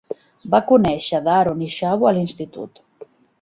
Va conèixer Daron i Shavo a l'institut.